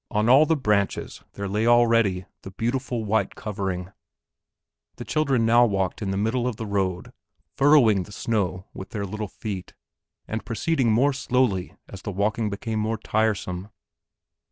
On all the branches there lay already the beautiful white covering. The children now walked in the middle of the road, furrowing the snow with their little feet and proceeding more slowly as the walking became more tiresome.